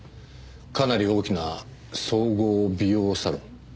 かなり大きな総合美容サロン。